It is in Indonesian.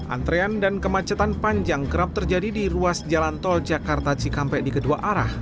antrean dan kemacetan panjang kerap terjadi di ruas jalan tol jakarta cikampek di kedua arah